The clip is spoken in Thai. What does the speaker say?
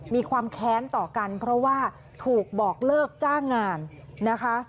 มีความแค้นต่อกันเพราะว่าถูกบอกเลิกจ้างงานนะคะ